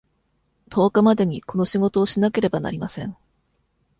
十日までにこの仕事をしなければなりません。